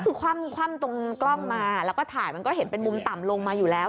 คือคว่ำตรงกล้องมาแล้วก็ถ่ายมันก็เห็นเป็นมุมต่ำลงมาอยู่แล้ว